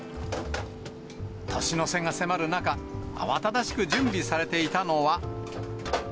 年の瀬が迫る中、慌ただしく準備されていたのは。